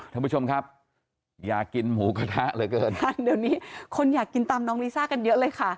ทุกผู้ชมครับอยากกินหมู่กระทะเดี๋ยวนี้คนอยากกินตำน้องลิซ่ากันเยอะเลยค่ะ